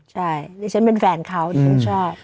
ใช่ดิฉันเป็นแฟนเขาดิฉันชอบ